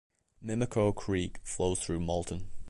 Mimico Creek flows through Malton.